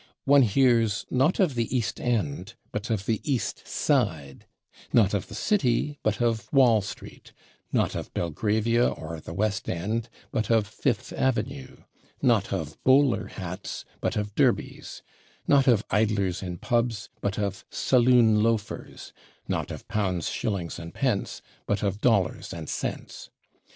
One hears, not of the /East End/, but of the /East Side/; not of the /City/, but of /Wall Street/; not of /Belgravia/ or the /West End/, but of /Fifth avenue/; not of /bowler/ hats, but of /Derbys/; not of idlers in /pubs/, but of /saloon loafers/; not of /pounds/, /shillings/ and /pence/, but of /dollars/ and /cents